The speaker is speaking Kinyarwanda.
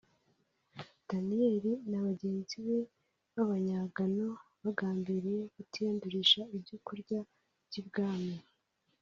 Daniyeli na bagenzi be b’abanyagano bagambiriye kutiyandurisha ibyo kurya by’I bwami